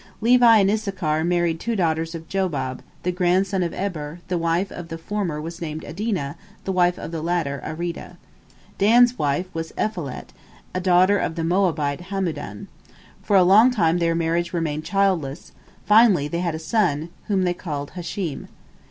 Levi and Issachar married two daughters of Jobab, the grandson of Eber; the wife of the former was named Adinah, the wife of the latter, Aridah. Dan's wife was Elflalet, a daughter of the Moabite Hamudan. For a long time their marriage remained childless, finally they had a son, whom they called Hushim.